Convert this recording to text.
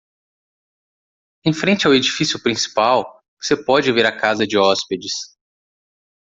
Em frente ao edifício principal? você pode ver a casa de hóspedes.